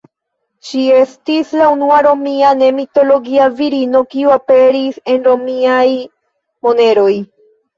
Ŝi estis la unua Romia ne-mitologia virino kiu aperis en Romiaj moneroj.